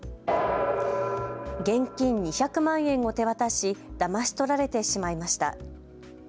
現金２００万円を手渡しだまし取られてしまいました。